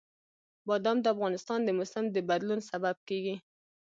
بادام د افغانستان د موسم د بدلون سبب کېږي.